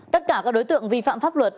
tất cả các đối tượng vi phạm pháp luật